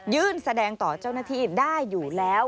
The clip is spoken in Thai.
แสดงต่อเจ้าหน้าที่ได้อยู่แล้ว